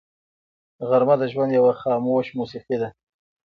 غرمه د ژوند یوه خاموش موسیقي ده